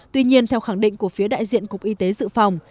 tuy nhiên theo khẳng định của phía đại diện cục y tế dự phòng